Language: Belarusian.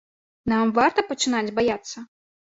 Нам варта пачынаць баяцца?